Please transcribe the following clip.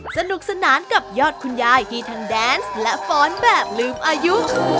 สนุกสนานกับยอดคุณยายที่ทั้งแดนส์และฟ้อนแบบลืมอายุ